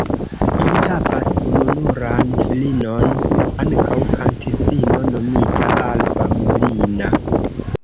Ili havas ununuran filinon ankaŭ kantistino nomita Alba Molina.